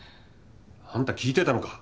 あんた聞いてたのか。